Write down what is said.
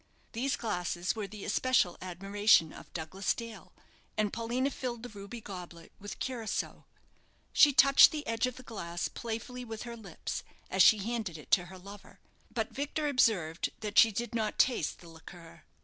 These glasses were the especial admiration of Douglas Dale, and Paulina filled the ruby goblet with curaçoa. She touched the edge of the glass playfully with her lips as she handed it to her lover; but Victor observed that she did not taste the liqueur.